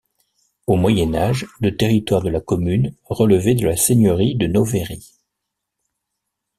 Au Moyen Âge, le territoire de la commune relevait de la seigneurie de Novéry.